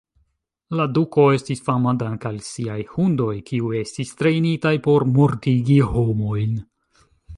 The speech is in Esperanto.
La duko estis fama dank'al siaj hundoj, kiuj estis trejnitaj por mortigi homojn.